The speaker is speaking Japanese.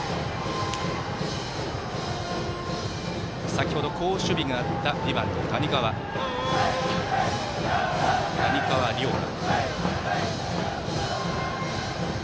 先ほど、好守備があった２番の谷川凌駕。